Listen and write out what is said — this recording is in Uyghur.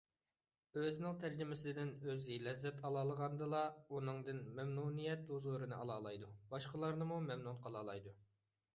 ئۆزىنىڭ تەرجىمىسىدىن ئۆزى لەززەت ئالالىغاندىلا، ئۇنىڭدىن مەمنۇنىيەت ھۇزۇرىنى ئالالايدۇ، باشقىلارنىمۇ مەمنۇن قىلالايدۇ.